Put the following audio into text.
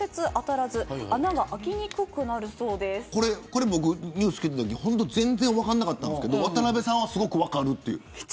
これニュース聞いたとき全然分からなかったんですけれど渡邊さんはすごく分かるって。